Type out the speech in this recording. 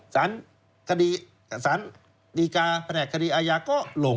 สารดีการ์แผนกคดีอายะก็ลง